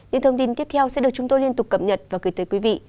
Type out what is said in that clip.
những thông tin tiếp theo sẽ được chúng tôi liên tục cập nhật và gửi tới quý vị